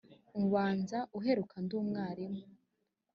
ubanza uheruka ndi mwarimu